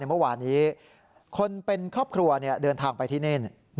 เมื่อวานนี้คนเป็นครอบครัวเดินทางไปที่นี่